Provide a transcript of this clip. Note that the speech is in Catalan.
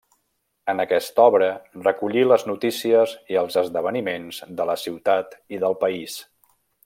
En aquesta obra recollí les notícies i els esdeveniments de la ciutat i del país.